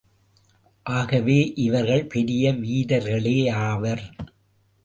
ஆகவே, இவர்கள் பெரிய வீரர்களேயாவர்.